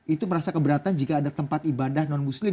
itu merasa keberatan jika ada tempat ibadah non muslim